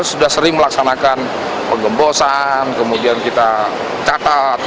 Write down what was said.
kita sering melaksanakan pengembosan kemudian kita catat